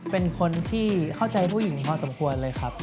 เป็นคนที่เข้าใจผู้หญิงพอสมควรเลยครับ